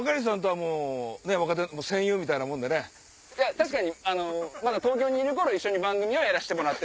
確かに東京にいる頃一緒に番組やらしてもらって。